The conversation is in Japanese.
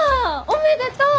おめでとう！